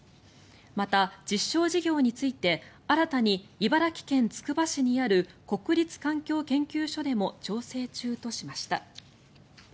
また、実証事業について新たに茨城県つくば市にある国立環境研究所でも調整中としました。